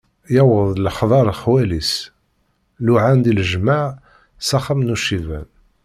Yewweḍ lexbar xwal-is, luɛan-d i lejmaɛ s axxam n uciban.